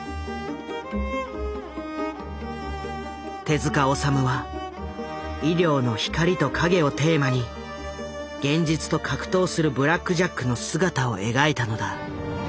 手治虫は医療の光と影をテーマに現実と格闘するブラック・ジャックの姿を描いたのだ。